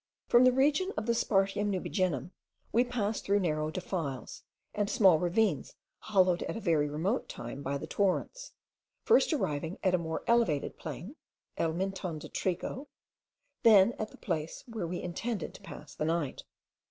From the region of the Spartium nubigenum we passed through narrow defiles, and small ravines hollowed at a very remote time by the torrents, first arriving at a more elevated plain (el Monton de Trigo), then at the place where we intended to pass the night.